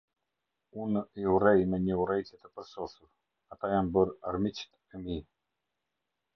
Unë i urrej me një urrejtje të përsosur; ata janë bërë armiqtë e mi.